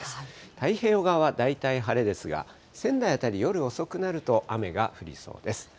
太平洋側は大体晴れですが、仙台辺り、夜遅くなると、雨が降りそうです。